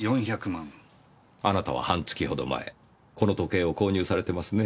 あなたは半月ほど前この時計を購入されてますね？